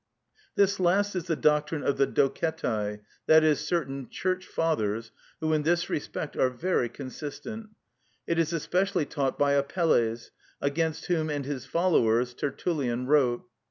This last is the doctrine of the Docetæ, i.e., certain Church Fathers, who in this respect are very consistent. It is especially taught by Apelles, against whom and his followers Tertullian wrote.